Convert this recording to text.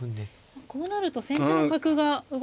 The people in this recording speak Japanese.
こうなると先手の角が動けないですね。